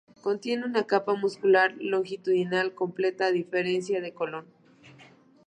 Contiene una capa muscular longitudinal completa, a diferencia del colon.